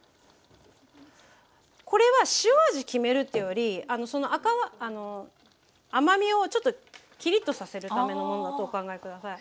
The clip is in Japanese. これは塩味決めるっていうより甘みをちょっとキリッとさせるためのものだとお考え下さい。